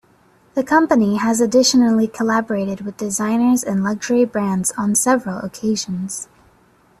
The company has additionally collaborated with designers and luxury brands on several occasions.